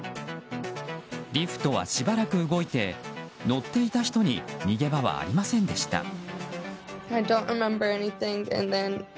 リフトはしばらく動いて乗っていた人に逃げ場はありませんでした。